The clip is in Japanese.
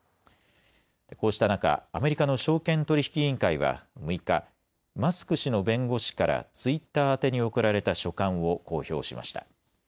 こうした中、アメリカの証券取引委員会は６日、マスク氏の弁護士からツイッター宛てに送られた書簡を公表しました。